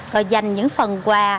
rồi dành những phần quà